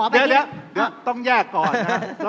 เดี๋ยวต้องแยกก่อนนะครับ